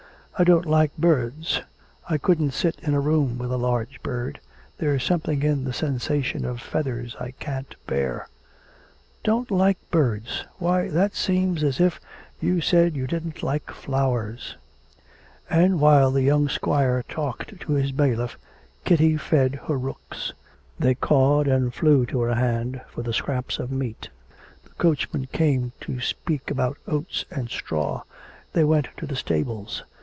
'I don't like birds. I couldn't sit in a room with a large bird. There's something in the sensation of feathers I can't bear.' 'Don't like birds! Why, that seems as if you said that you didn't like flowers.' And while the young squire talked to his bailiff Kitty fed her rooks. They cawed, and flew to her hand for the scraps of meat. The coachman came to speak about oats and straw. They went to the stables.